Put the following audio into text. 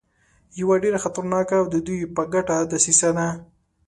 یوه ډېره خطرناکه او د دوی په ګټه دسیسه ده.